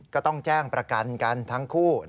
ก็ต้องแจ้งประกันกันทั้งคู่